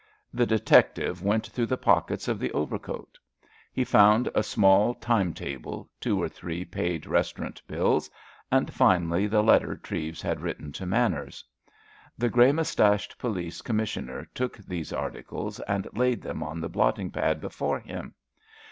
The detective went through the pockets of the overcoat. He found a small time table, two or three paid restaurant bills, and finally the letter Treves had written to Manners. The grey moustached police commissioner took these articles, and laid them on the blotting pad before him.